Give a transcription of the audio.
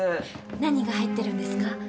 何が入ってるんですか？